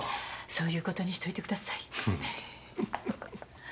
そういうことにしといてください。